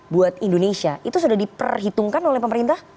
buat indonesia itu sudah diperhitungkan oleh pemerintah